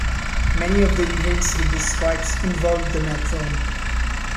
Many of the events he describes involved the matron.